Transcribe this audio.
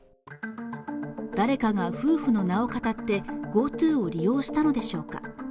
誰かが夫婦の名をかたって、ＧｏＴｏを利用したのでしょうか